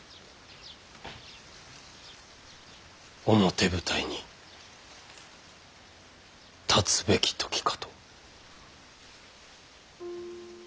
表舞台に立つべき時かと。